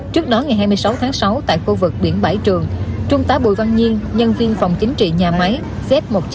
trước đó ngày hai mươi sáu tháng sáu tại khu vực biển bảy trường trung tá bùi văn nhiên nhân viên phòng chính trị nhà máy z một trăm chín mươi chín